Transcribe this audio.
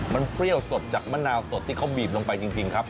มันเปรี้ยวสดจากมะนาวสดที่เขาบีบลงไปจริงครับ